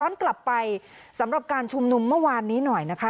กลับไปสำหรับการชุมนุมเมื่อวานนี้หน่อยนะคะ